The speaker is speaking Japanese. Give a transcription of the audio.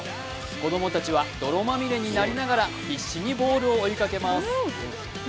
子供たちは泥まみれになりながら必死にボールを追いかけます。